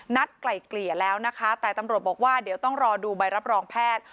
ไกล่เกลี่ยแล้วนะคะแต่ตำรวจบอกว่าเดี๋ยวต้องรอดูใบรับรองแพทย์